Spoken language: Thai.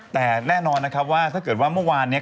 แต่แน่นอนนะครับว่าถ้าเกิดว่าเมื่อวานเนี่ย